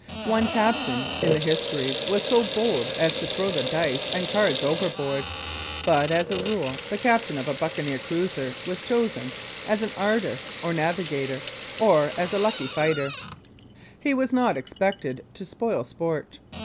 One captain, in the histories, was so bold as to throw the dice and cards overboard, but, as a rule, the captain of a buccaneer cruiser was chosen as an artist, or navigator, or as a lucky fighter. He was not expected to spoil sport.